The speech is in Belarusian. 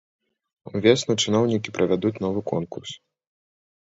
Увесну чыноўнікі правядуць новы конкурс.